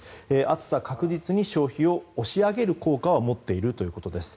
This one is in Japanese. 暑さ、確実に消費を押し上げる効果は持っているということです。